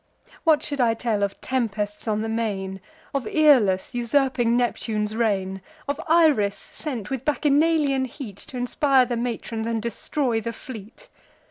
What should I tell of tempests on the main, Of Aeolus usurping Neptune's reign? Of Iris sent, with Bacchanalian heat T' inspire the matrons, and destroy the fleet?